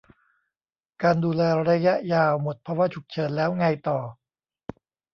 การดูแลระยะยาว หมดภาวะฉุกเฉินแล้วไงต่อ